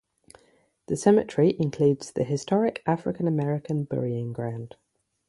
The cemetery includes the historic African-American Burying Ground.